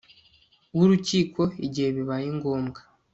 w urukiko igihe bibaye ngombwa